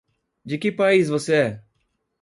De que país você é?